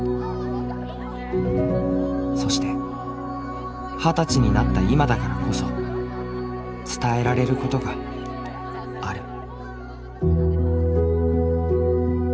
そして二十歳になった今だからこそ伝えられることがある。